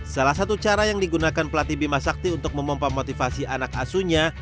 salah satu cara yang digunakan pelatih bimasakti untuk memompom motivasi anak asunya